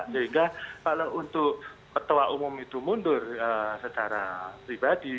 sehingga kalau untuk ketua umum itu mundur secara pribadi